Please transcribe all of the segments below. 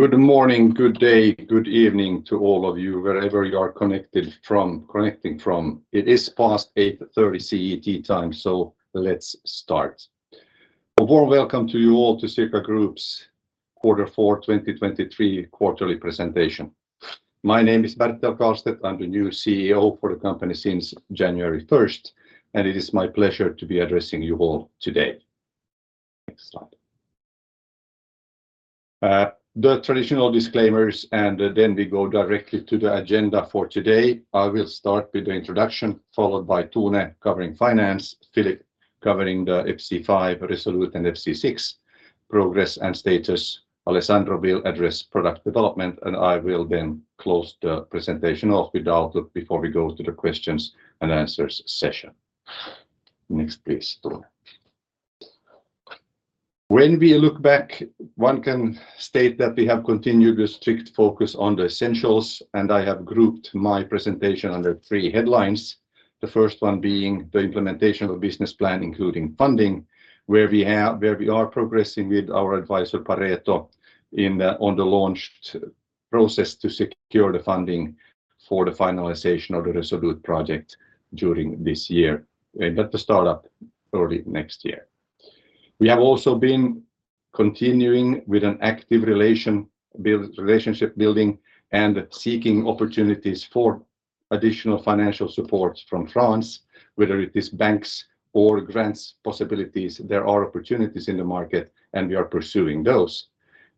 Good morning, good day, good evening to all of you wherever you are connected from connecting from. It is past 8:30 A.M. CET, so let's start. A warm welcome to you all to Circa Group's Quarter 4, 2023 quarterly presentation. My name is Bertel Karlstedt. I'm the new CEO for the company since January 1st, and it is my pleasure to be addressing you all today. Next slide. The traditional disclaimers, and then we go directly to the agenda for today. I will start with the introduction, followed by Tone covering finance, Philipp covering the FC5, ReSolute and FC6 progress and status, Alessandro will address product development, and I will then close the presentation off with the outlook before we go to the questions and answers session. Next, please, Tone. When we look back, one can state that we have continued with strict focus on the essentials, and I have grouped my presentation under three headlines, the first one being the implementation of the business plan including funding, where we are progressing with our advisor Pareto on the launched process to secure the funding for the finalization of the ReSolute project during this year, and at the startup early next year. We have also been continuing with an active relationship building and seeking opportunities for additional financial supports from France, whether it is banks or grants possibilities. There are opportunities in the market, and we are pursuing those.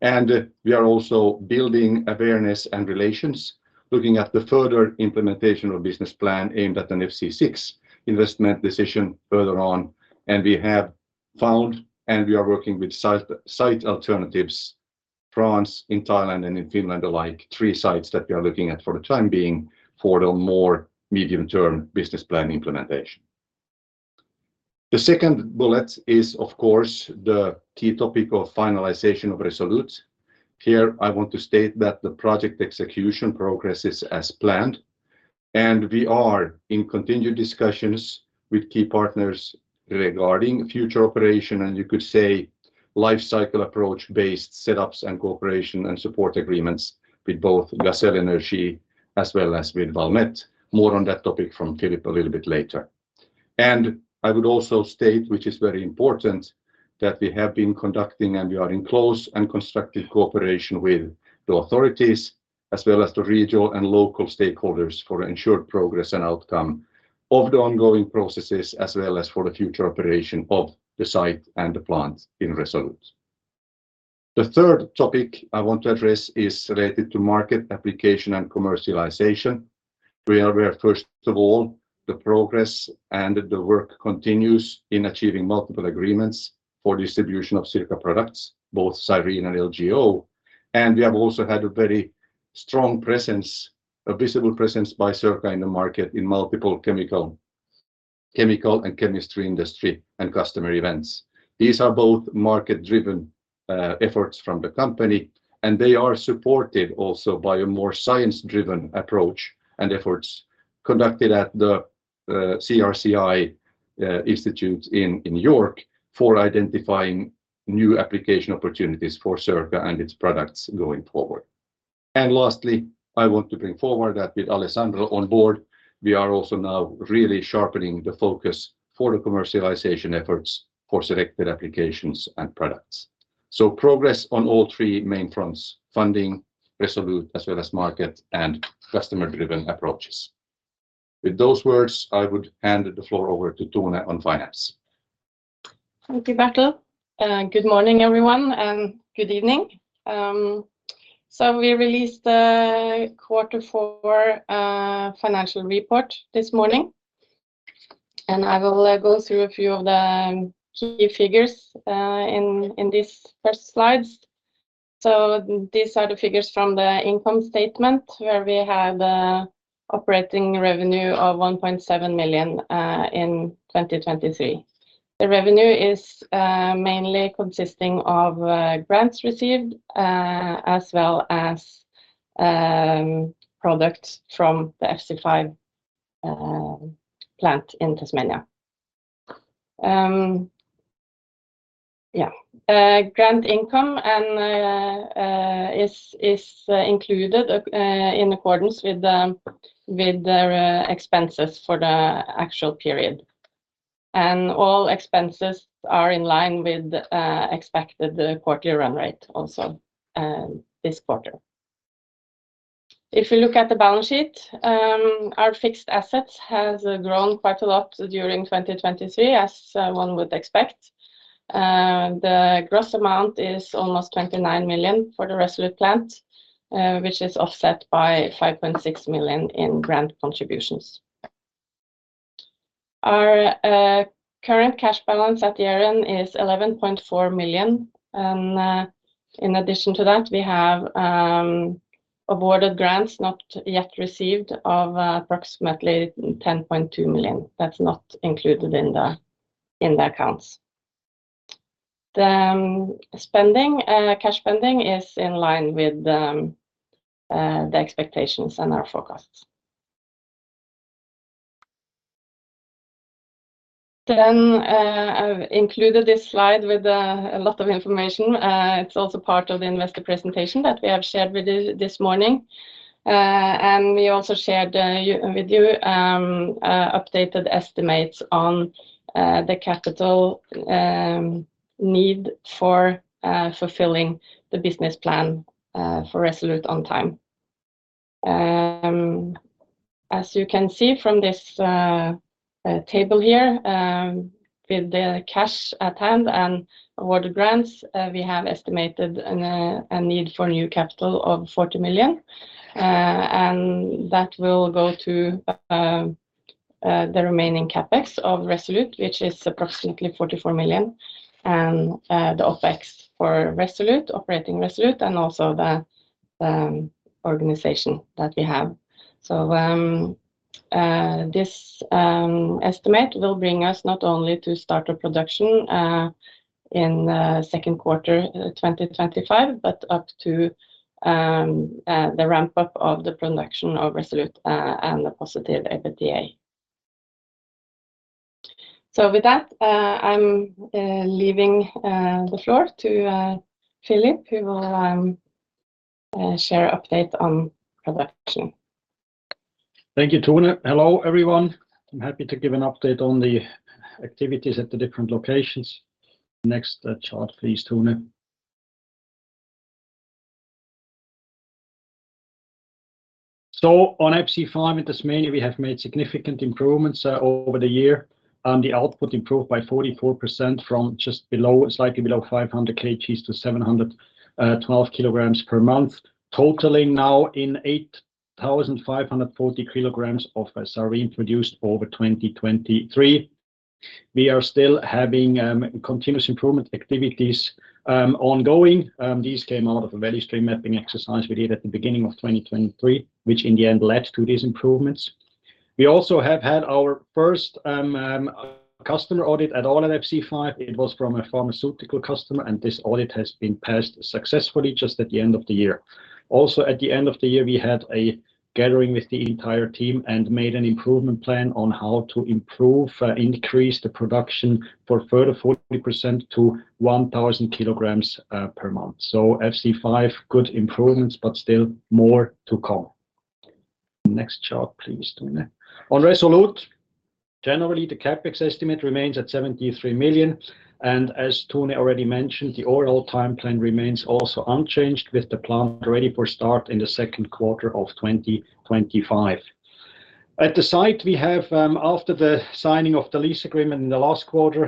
We are also building awareness and relations, looking at the further implementation of business plan aimed at an FC6 investment decision further on. We have found and we are working with site alternatives, in France, in Thailand, and in Finland alike, three sites that we are looking at for the time being for the more medium term business plan implementation. The second bullet is, of course, the key topic of finalization of ReSolute. Here, I want to state that the project execution progresses as planned, and we are in continued discussions with key partners regarding future operation, and you could say lifecycle approach based setups and cooperation and support agreements with both GazelEnergie as well as with Valmet. More on that topic from Philipp a little bit later. I would also state, which is very important, that we have been conducting and we are in close and constructive cooperation with the authorities as well as the regional and local stakeholders for ensured progress and outcome of the ongoing processes as well as for the future operation of the site and the plants in ReSolute. The third topic I want to address is related to market application and commercialization. We are aware first of all the progress and the work continues in achieving multiple agreements for distribution of Circa products, both Cyrene and LGO. And we have also had a very strong presence, a visible presence by Circa in the market in multiple chemical and chemistry industry and customer events. These are both market driven efforts from the company, and they are supported also by a more science driven approach and efforts conducted at the GCCE Institute in York for identifying new application opportunities for Circa and its products going forward. And lastly, I want to bring forward that with Alessandro on board, we are also now really sharpening the focus for the commercialization efforts for selected applications and products. So progress on all three main fronts, funding, ReSolute as well as market and customer driven approaches. With those words, I would hand the floor over to Tone on finance. Thank you, Bertel. Good morning everyone, and good evening. So we released the Quarter 4 financial report this morning, and I will go through a few of the key figures in these first slides. So these are the figures from the income statement where we had operating revenue of 1.7 million in 2023. The revenue is mainly consisting of grants received, as well as products from the FC5 plant in Tasmania. Yeah, grant income and is included in accordance with their expenses for the actual period. And all expenses are in line with expected quarterly run rate also this quarter. If we look at the balance sheet, our fixed assets has grown quite a lot during 2023 as one would expect. The gross amount is almost 29 million for the ReSolute plant, which is offset by 5.6 million in grant contributions. Our current cash balance at year-end is 11.4 million. In addition to that, we have awarded grants not yet received of approximately 10.2 million. That's not included in the accounts. The spending, cash spending is in line with the expectations and our forecasts. I've included this slide with a lot of information. It's also part of the investor presentation that we have shared with you this morning. We also shared with you updated estimates on the capital need for fulfilling the business plan for ReSolute on time. As you can see from this table here, with the cash at hand and awarded grants, we have estimated a need for new capital of 40 million. That will go to the remaining CapEx of ReSolute, which is approximately 44 million, and the OpEx for ReSolute, operating ReSolute, and also the organization that we have. So, this estimate will bring us not only to start a production in the second quarter 2025, but up to the ramp up of the production of ReSolute, and the positive EBITDA. So with that, I'm leaving the floor to Philipp, who will share an update on production. Thank you, Tone. Hello everyone. I'm happy to give an update on the activities at the different locations. Next chart, please, Tone. So on FC5 in Tasmania, we have made significant improvements over the year, and the output improved by 44% from just below 500 kg to 712 kg per month, totaling now 8,540 kg of Cyrene produced over 2023. We are still having continuous improvement activities ongoing. These came out of a value stream mapping exercise we did at the beginning of 2023, which in the end led to these improvements. We also have had our first customer audit at FC5. It was from a pharmaceutical customer, and this audit has been passed successfully just at the end of the year. Also at the end of the year, we had a gathering with the entire team and made an improvement plan on how to improve, increase the production for further 40% to 1,000 kg per month. So FC5, good improvements, but still more to come. Next chart, please, Tone. On ReSolute, generally the CapEx estimate remains at 73 million. As Tone already mentioned, the overall time plan remains also unchanged with the plant ready for start in the second quarter of 2025. At the site, we have, after the signing of the lease agreement in the last quarter,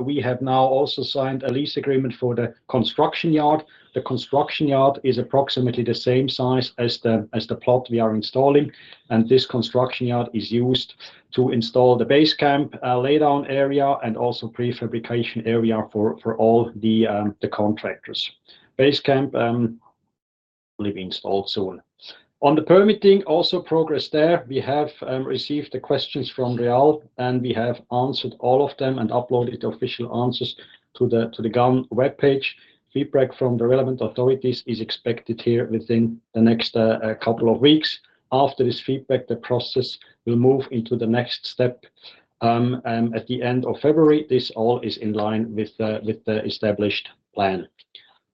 we have now also signed a lease agreement for the construction yard. The construction yard is approximately the same size as the plot we are installing. And this construction yard is used to install the base camp, laydown area, and also prefabrication area for all the contractors. Base camp will be installed soon. On the permitting, also progress there, we have received the questions from DREAL, and we have answered all of them and uploaded the official answers to the GAM web page. Feedback from the relevant authorities is expected here within the next couple of weeks. After this feedback, the process will move into the next step. At the end of February, this all is in line with the established plan.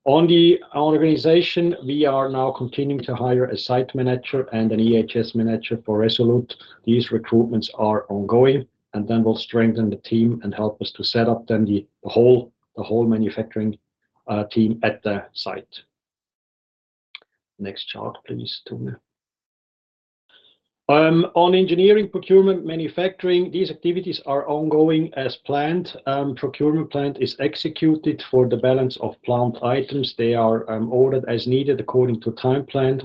On the organization, we are now continuing to hire a site manager and an EHS manager for ReSolute. These recruitments are ongoing, and then we'll strengthen the team and help us to set up the whole manufacturing team at the site. Next chart, please, Tone. On engineering, procurement, manufacturing, these activities are ongoing as planned. Procurement plan is executed for the balance of plant items. They are, ordered as needed according to time plan.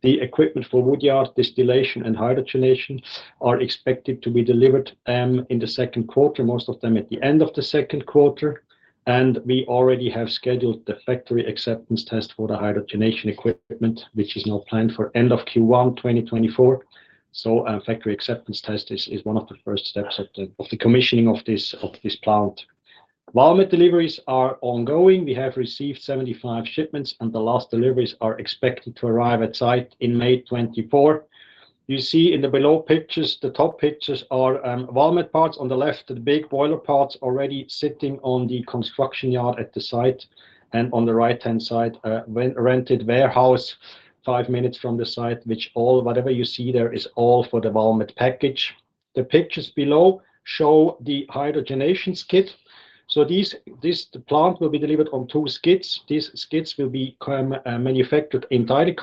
The equipment for woodyard distillation and hydrogenation are expected to be delivered, in the second quarter, most of them at the end of the second quarter. And we already have scheduled the factory acceptance test for the hydrogenation equipment, which is now planned for end of Q1 2024. So, factory acceptance test is one of the first steps of the commissioning of this plant. Valmet deliveries are ongoing. We have received 75 shipments, and the last deliveries are expected to arrive at site in May 2024. You see in the below pictures, the top pictures are Valmet parts on the left, the big boiler parts already sitting on the construction yard at the site, and on the right-hand side, rented warehouse five minutes from the site, which all whatever you see there is all for the Valmet package. The pictures below show the hydrogenation skid. So the plant will be delivered on two skids. These skids will be manufactured entirely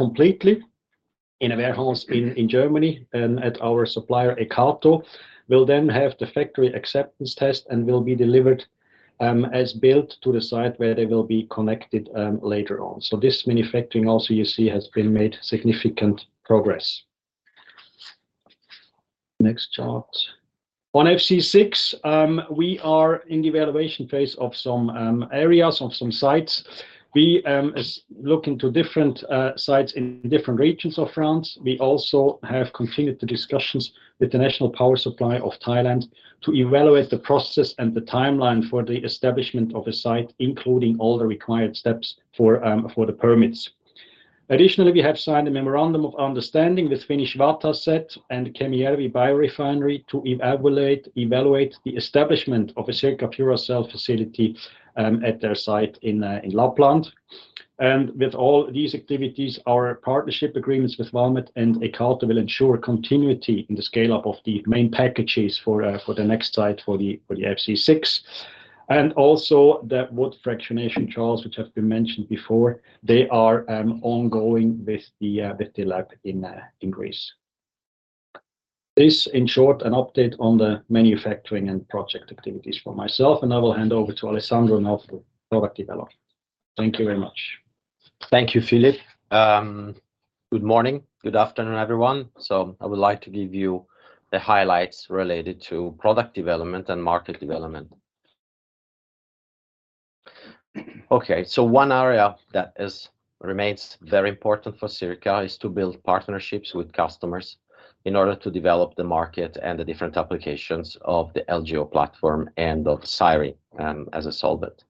in a warehouse in Germany and at our supplier EKATO. They will then have the factory acceptance test and will be delivered as built to the site where they will be connected later on. So this manufacturing also you see has made significant progress. Next chart. On FC6, we are in the evaluation phase of some areas of some sites. We are looking to different sites in different regions of France. We also have continued the discussions with the National Power Supply of Thailand to evaluate the process and the timeline for the establishment of a site, including all the required steps for the permits. Additionally, we have signed a memorandum of understanding with Finnish Vataset and Kemijärvi Biorefinery to evaluate the establishment of a Circa Furacell facility at their site in Lapland. And with all these activities, our partnership agreements with Valmet and EKATO will ensure continuity in the scale up of the main packages for the next site for the FC6. And also the wood fractionation trials, which have been mentioned before, they are ongoing with the lab in Greece. This, in short, an update on the manufacturing and project activities for myself, and I will hand over to Alessandro now for product development. Thank you very much. Thank you, Philipp. Good morning. Good afternoon, everyone. So I would like to give you the highlights related to product development and market development. Okay, so one area that is remains very important for Circa is to build partnerships with customers in order to develop the market and the different applications of the LGO platform and of Cyrene, as a solvent.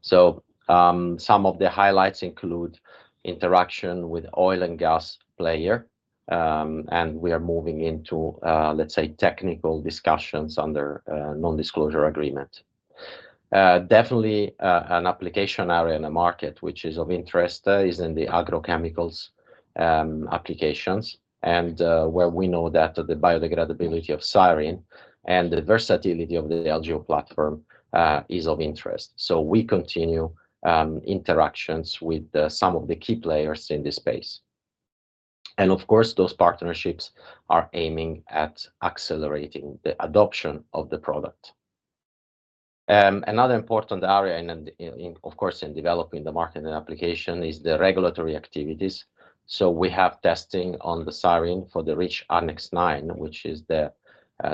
So, some of the highlights include interaction with oil and gas player, and we are moving into, let's say, technical discussions under, non-disclosure agreement. Definitely, an application area in the market which is of interest is in the agrochemicals, applications and, where we know that the biodegradability of Cyrene and the versatility of the LGO platform, is of interest. So we continue, interactions with, some of the key players in this space. And of course, those partnerships are aiming at accelerating the adoption of the product. Another important area in, of course, in developing the market and application is the regulatory activities. So we have testing on the Cyrene for the REACH Annex IX, which is the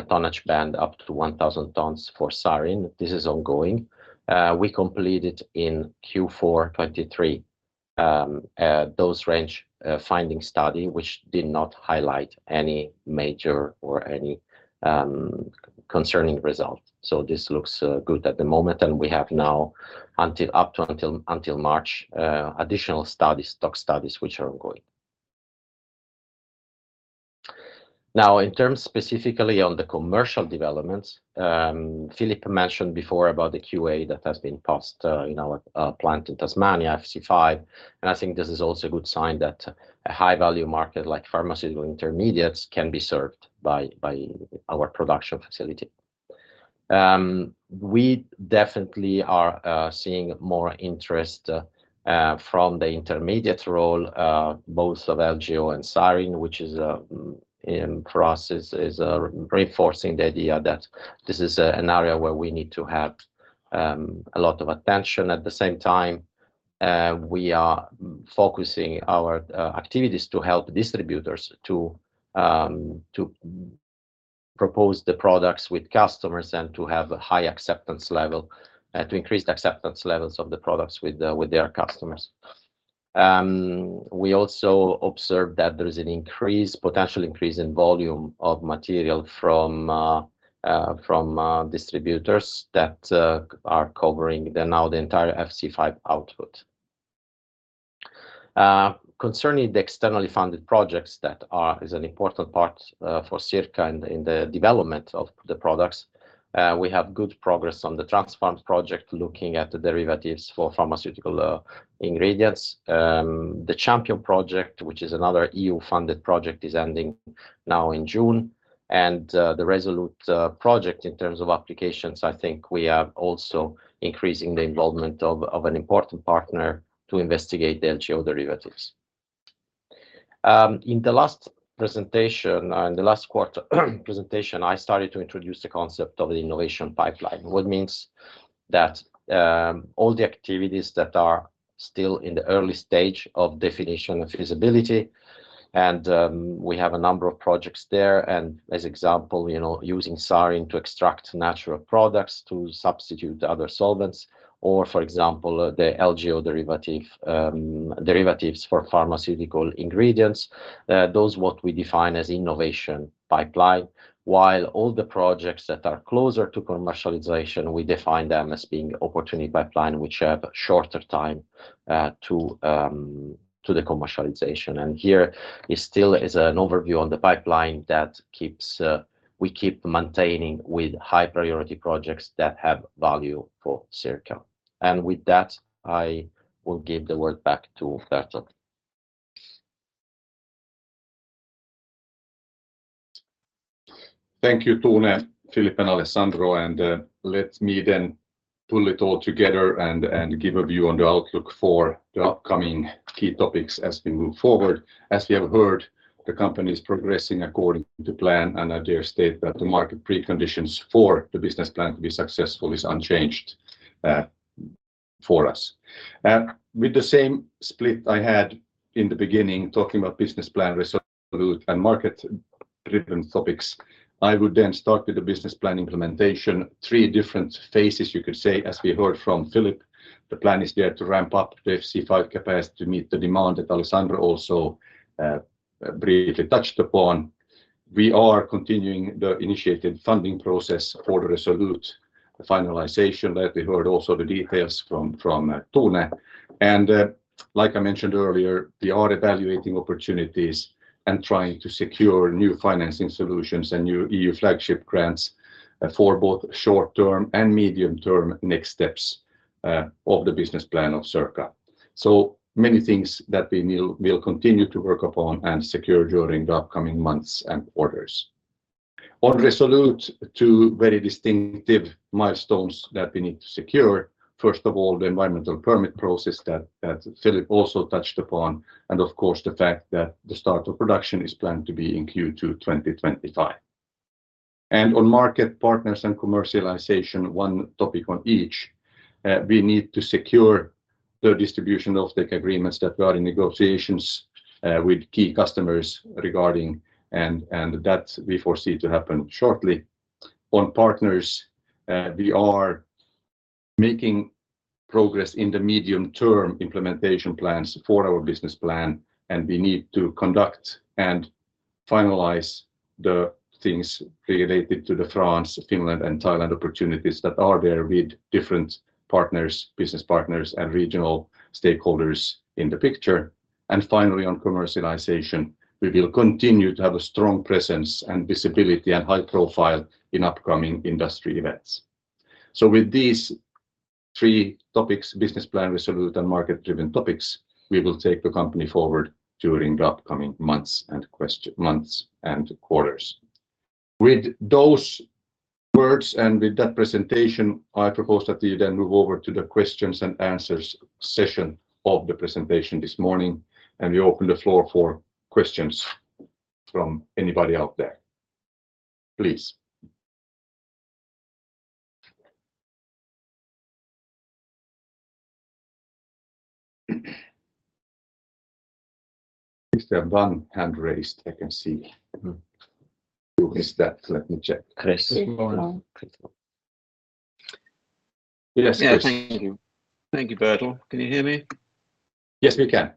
tonnage band up to 1,000 tons for Cyrene. This is ongoing. We completed in Q4 2023 those range finding study, which did not highlight any major or concerning result. So this looks good at the moment. And we have now until March additional studies, toxicology studies, which are ongoing. Now, in terms specifically on the commercial developments, Philipp mentioned before about the QA that has been passed in our plant in Tasmania, FC5. And I think this is also a good sign that a high value market like pharmaceutical intermediates can be served by our production facility. We definitely are seeing more interest from the intermediate role both of LGO and Cyrene, which, for us, is reinforcing the idea that this is an area where we need to have a lot of attention. At the same time, we are focusing our activities to help distributors to propose the products with customers and to have a high acceptance level, to increase the acceptance levels of the products with their customers. We also observe that there is a potential increase in volume of material from distributors that are covering now the entire FC5 output. Concerning the externally funded projects that are an important part for Circa in the development of the products. We have good progress on the TRANSFORM project looking at the derivatives for pharmaceutical ingredients. The CHAMPION project, which is another EU-funded project, is ending now in June. The ReSolute project in terms of applications, I think we are also increasing the involvement of an important partner to investigate the LGO derivatives. In the last presentation, in the last quarter presentation, I started to introduce the concept of the innovation pipeline, what means that, all the activities that are still in the early stage of definition and feasibility. We have a number of projects there. As example, you know, using Cyrene to extract natural products to substitute other solvents or, for example, the LGO derivative, derivatives for pharmaceutical ingredients, those what we define as innovation pipeline, while all the projects that are closer to commercialization, we define them as being opportunity pipeline, which have shorter time to the commercialization. Here is still an overview on the pipeline that we keep maintaining with high priority projects that have value for Circa. And with that, I will give the word back to Bertel. Thank you, Tone, Philipp and Alessandro. Let me then pull it all together and give a view on the outlook for the upcoming key topics as we move forward. As we have heard, the company is progressing according to plan and at this stage state that the market preconditions for the business plan to be successful is unchanged, for us. With the same split I had in the beginning talking about business plan, ReSolute, and market driven topics, I would then start with the business plan implementation. Three different phases, you could say, as we heard from Philipp. The plan is there to ramp up the FC5 capacity to meet the demand that Alessandro also briefly touched upon. We are continuing the initiated funding process for the ReSolute finalization. Let me hear also the details from Tone. Like I mentioned earlier, we are evaluating opportunities and trying to secure new financing solutions and new EU flagship grants, for both short term and medium term next steps, of the business plan of Circa. So many things that we will continue to work upon and secure during the upcoming months and quarters. On ReSolute, two very distinctive milestones that we need to secure. First of all, the environmental permit process that Philipp also touched upon. Of course, the fact that the start of production is planned to be in Q2 2025. On market partners and commercialization, one topic on each, we need to secure the distribution offtake agreements that we are in negotiations, with key customers regarding and that we foresee to happen shortly. On partners, we are making progress in the medium term implementation plans for our business plan. And we need to conduct and finalize the things related to the France, Finland, and Thailand opportunities that are there with different partners, business partners, and regional stakeholders in the picture. And finally, on commercialization, we will continue to have a strong presence and visibility and high profile in upcoming industry events. So with these three topics, business plan, ReSolute, and market driven topics, we will take the company forward during the upcoming months and question months and quarters. With those words and with that presentation, I propose that we then move over to the questions and answers session of the presentation this morning. And we open the floor for questions from anybody out there. Please. If they have one hand raised, I can see. Who is that? Let me check. Chris. Yes, Chris. Yeah, thank you. Thank you, Bertel. Can you hear me? Yes, we can.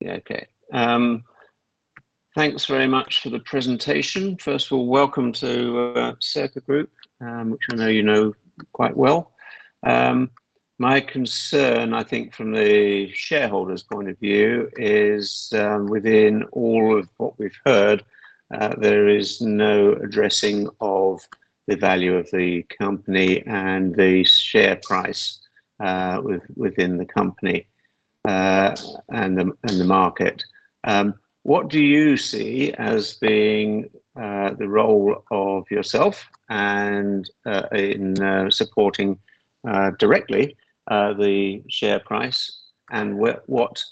Yeah, okay. Thanks very much for the presentation. First of all, welcome to Circa Group, which I know you know quite well. My concern, I think from the shareholders' point of view, is, within all of what we've heard, there is no addressing of the value of the company and the share price, within the company, and the market. What do you see as being the role of yourself and in supporting directly the share price? And what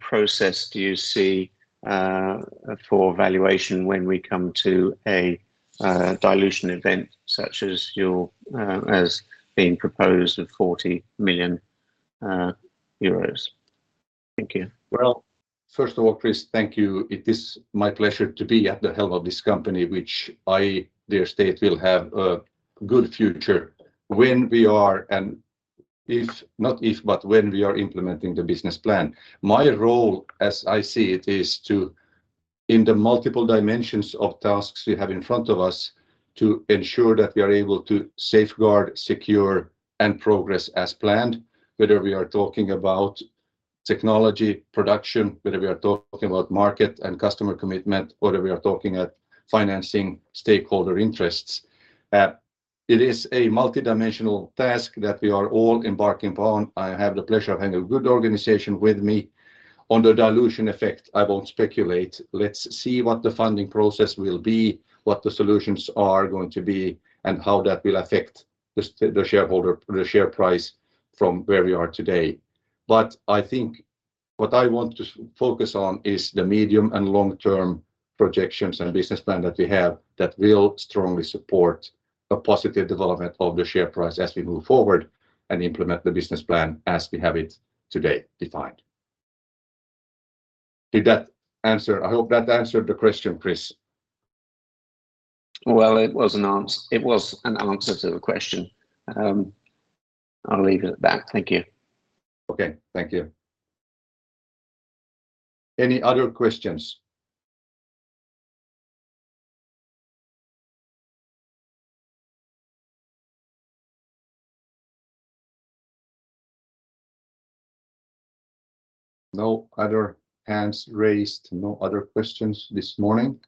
process do you see for valuation when we come to a dilution event such as yours as being proposed of 40 million euros? Thank you. Well, first of all, Chris, thank you. It is my pleasure to be at the helm of this company, which I, their state, will have a good future when we are and if not if, but when we are implementing the business plan. My role, as I see it, is to, in the multiple dimensions of tasks we have in front of us, to ensure that we are able to safeguard, secure, and progress as planned, whether we are talking about technology production, whether we are talking about market and customer commitment, or whether we are talking at financing stakeholder interests. It is a multidimensional task that we are all embarking upon. I have the pleasure of having a good organization with me on the dilution effect. I won't speculate. Let's see what the funding process will be, what the solutions are going to be, and how that will affect the shareholder the share price from where we are today. But I think what I want to focus on is the medium and long term projections and business plan that we have that will strongly support a positive development of the share price as we move forward and implement the business plan as we have it today defined. Did that answer? I hope that answered the question, Chris. Well, it was an answer it was an answer to the question. I'll leave it at that. Thank you. Okay. Thank you. Any other questions? No other hands raised. No other questions this morning.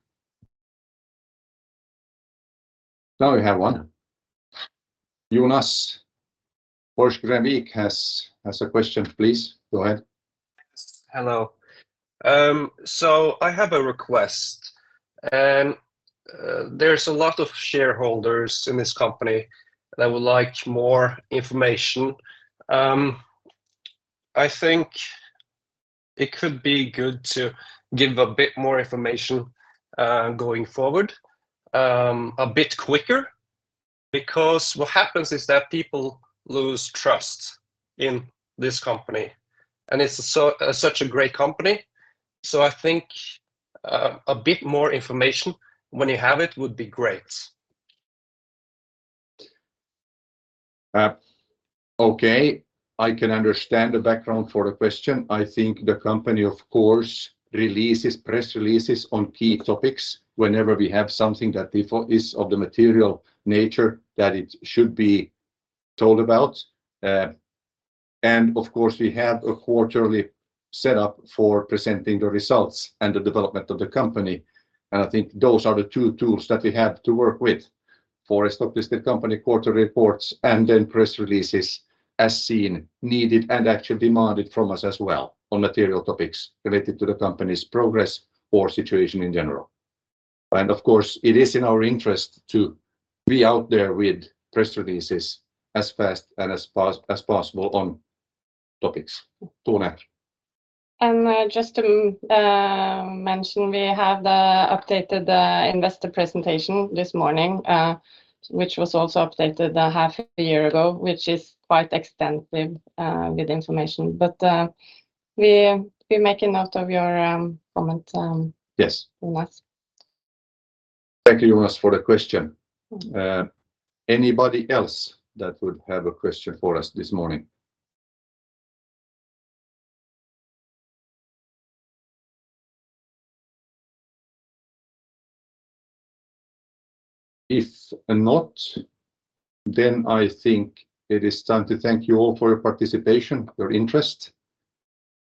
Now we have one. Jonas Borg-Grönvik has a question. Please go ahead. Yes. Hello. So I have a request. And there's a lot of shareholders in this company that would like more information. I think it could be good to give a bit more information, going forward, a bit quicker because what happens is that people lose trust in this company. And it's a so a such a great company. So I think a bit more information when you have it would be great. Okay. I can understand the background for the question. I think the company, of course, releases press releases on key topics whenever we have something that is of the material nature that it should be told about. And of course, we have a quarterly setup for presenting the results and the development of the company. And I think those are the two tools that we have to work with for a stock listed company, quarter reports, and then press releases as seen needed and actually demanded from us as well on material topics related to the company's progress or situation in general. And of course, it is in our interest to be out there with press releases as fast and as fast as possible on topics. Tone. Just to mention, we have the updated investor presentation this morning, which was also updated a half a year ago, which is quite extensive with information. But we make a note of your comment, Jonas. Yes. Thank you, Jonas, for the question. Anybody else that would have a question for us this morning? If not, then I think it is time to thank you all for your participation, your interest.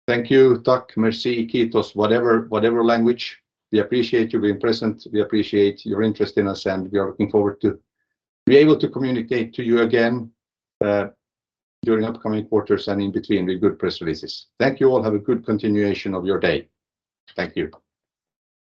Thank you. Tack. Merci. Kiitos. Whatever whatever language, we appreciate you being present. We appreciate your interest in us. And we are looking forward to be able to communicate to you again, during upcoming quarters and in between with good press releases. Thank you all. Have a good continuation of your day. Thank you.